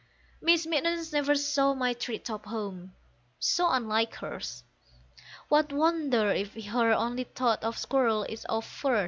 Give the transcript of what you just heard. Miss Mittens never saw my tree top home so unlike hers; What wonder if her only thought of squirrels is of furs?